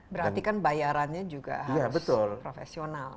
berarti kan bayarannya juga harus profesional